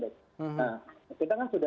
pemerintah sudah mengeluarkan paket kebijakan